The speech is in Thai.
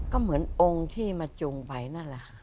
ก็เหมือนองค์ที่มาจุงไปนั่นแหละค่ะ